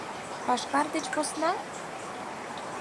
Пашкар деч посна?